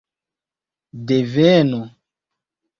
deveno